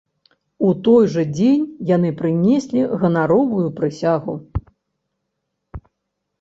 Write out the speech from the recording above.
У той жа дзень яны прынеслі ганаровую прысягу.